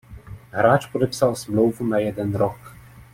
Hráč podepsal smlouvu na jeden rok.